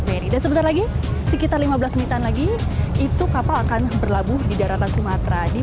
merry dan sebentar lagi sekitar lima belas menitan lagi itu kapal akan berlabuh di daratan sumatera